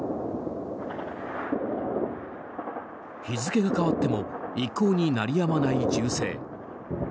日付が変わっても一向に鳴りやまない銃声。